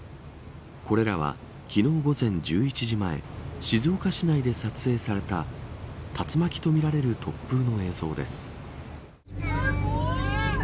これらは昨日午前１１時前静岡市内で撮影された竜巻とみられる突風の映像です。